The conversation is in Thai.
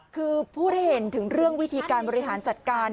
คือพูดให้เห็นถึงเรื่องวิธีการบริหารจัดการ